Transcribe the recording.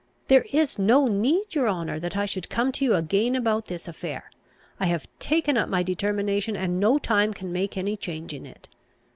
"There is no need, your honour, that I should come to you again about this affair. I have taken up my determination, and no time can make any change in it.